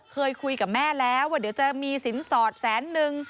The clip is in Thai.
เคยคุยกับแม่แล้วว่าเดี๋ยวจะมีสินสอดแสนนึง